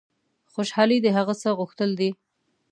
خوشحالي د هغه څه غوښتل دي.